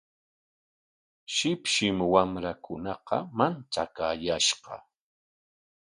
Shipshim wamrakunaqa manchakaayashqa.